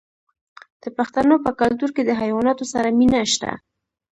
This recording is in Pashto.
د پښتنو په کلتور کې د حیواناتو سره مینه شته.